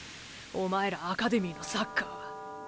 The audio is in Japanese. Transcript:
お前らアカデミーのサッカーは。